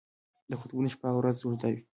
د قطبونو شپه او ورځ اوږده وي.